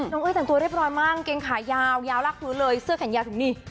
เอ้ยแต่งตัวเรียบร้อยมากกางเกงขายาวยาวลากพื้นเลยเสื้อแขนยาวถุงนี้